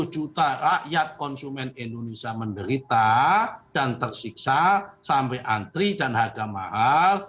dua puluh juta rakyat konsumen indonesia menderita dan tersiksa sampai antri dan harga mahal